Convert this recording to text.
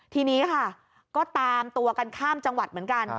ทีนี้ค่ะก็ตามตัวกันข้ามจังหวัดเหมือนกัน